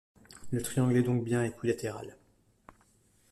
Le triangle est donc bien équilatéral.